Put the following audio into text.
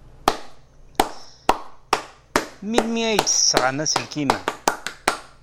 Melmi ay d-tesɣam aselkim-a?